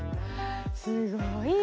すごいね。